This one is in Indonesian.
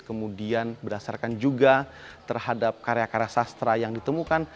kemudian berdasarkan juga terhadap karya karya sastra yang ditemukan